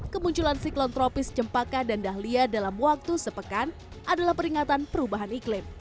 kemunculan siklon tropis cempaka dan dahlia dalam waktu sepekan adalah peringatan perubahan iklim